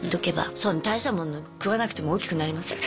そんな大したもの食わなくても大きくなりますから。